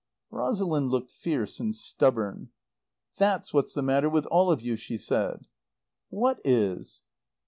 Rosalind looked fierce and stubborn. "That's what's the matter with all of you," she said. "What is?"